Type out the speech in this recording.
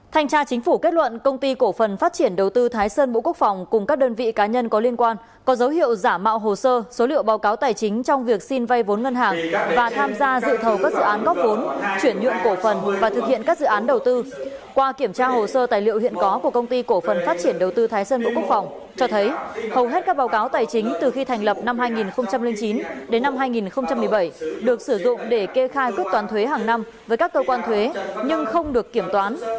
thành tra chính phủ kết luận công ty cổ phần phát triển đầu tư thái sơn bộ quốc phòng cùng các đơn vị cá nhân có liên quan có dấu hiệu giả mạo hồ sơ số liệu báo cáo tài chính trong việc xin vay vốn ngân hàng và tham gia dự thầu các dự án góp vốn chuyển nhuận cổ phần và thực hiện các dự án đầu tư qua kiểm tra hồ sơ tài liệu hiện có của công ty cổ phần phát triển đầu tư thái sơn bộ quốc phòng cho thấy hầu hết các báo cáo tài chính từ khi thành lập năm hai nghìn chín đến năm hai nghìn một mươi bảy được sử dụng để kê khai cướp toán thuế hàng năm với các cơ quan thuế nhưng không được kiểm toán